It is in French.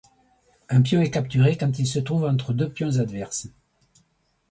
Un pion est capturé quand il se trouve entre deux pions adverses.